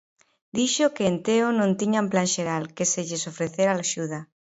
Dixo que en Teo non tiñan plan xeral, que se lles ofrecera axuda.